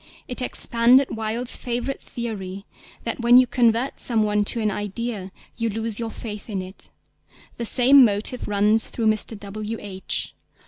It expanded Wilde's favourite theory that when you convert some one to an idea, you lose your faith in it; the same motive runs through _Mr. W. H.